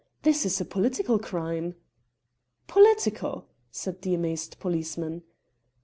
"This is a political crime." "Political!" said the amazed policeman.